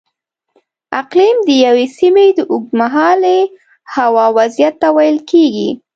اقلیم د یوې سیمې د اوږدمهالې هوا وضعیت ته ویل کېږي.